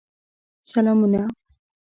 سلامونه